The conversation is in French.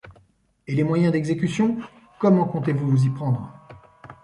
Et les moyens d’exécution? comment comptez-vous vous y prendre ?